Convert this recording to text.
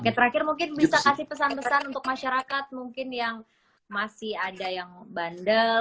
oke terakhir mungkin bisa kasih pesan pesan untuk masyarakat mungkin yang masih ada yang bandel